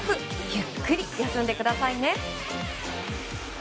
ゆっくり休んでくださいね。